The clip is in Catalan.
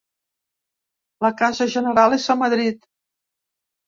La casa general és a Madrid.